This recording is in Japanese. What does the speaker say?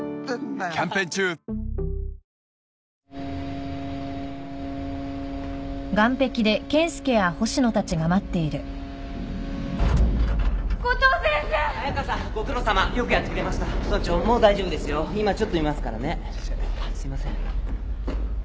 あっすいません。